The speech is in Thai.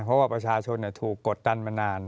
เพราะว่าประชาชนถูกกดดันมานาน